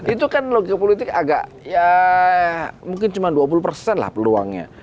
itu kan logika politik agak ya mungkin cuma dua puluh persen lah peluangnya